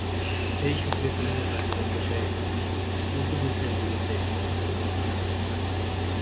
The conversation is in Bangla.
সেই সূত্রে তিনিও তার জীবদ্দশায় পর্তুগিজদের বিরুদ্ধে সশস্ত্র প্রতিরোধের ডাক দেন।